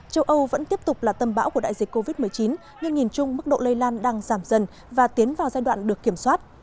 châu âu vẫn tiếp tục là tâm bão của đại dịch covid một mươi chín nhưng nhìn chung mức độ lây lan đang giảm dần và tiến vào giai đoạn được kiểm soát